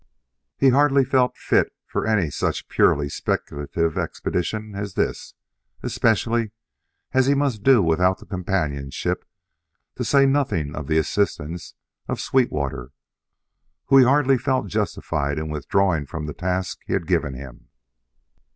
He hardly felt fit for any such purely speculative expedition as this; especially as he must do without the companionship, to say nothing of the assistance, of Sweetwater, whom he hardly felt justified in withdrawing from the task he had given him.